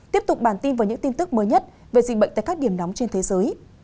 tiếp tục bản tin vào những tin tức mới nhất về dịch bệnh tại các điểm nóng trên thế giới